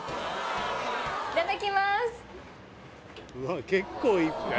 いただきます